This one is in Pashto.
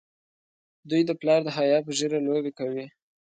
دوی د پلار د حیا په ږیره لوبې کوي.